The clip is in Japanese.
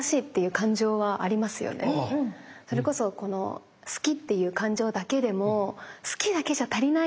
それこそ好きっていう感情だけでも好きだけじゃ足りないのに！